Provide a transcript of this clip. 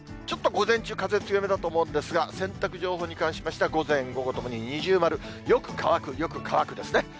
ちょっと午前中、風強めだと思うんですが、洗濯情報に関しましては午前、午後ともに二重丸、よく乾く、よく乾くですね。